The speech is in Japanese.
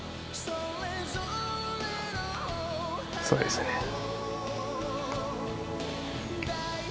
そうですね。